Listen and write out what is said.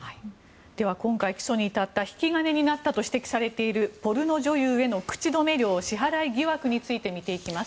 では、今回起訴に至った引き金になったと指摘されているポルノ女優への口止め料支払いについて見ていきます。